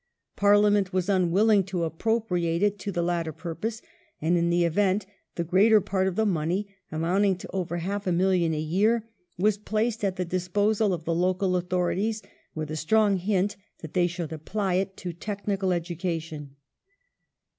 Parliament was unwilling to appropriate it to the latter purpose, and in the event the greater part of the money, amounting to over half a million a year, was placed at the disposal of the Local Authori ties with a strong hint that they should apply it to technical edu cation.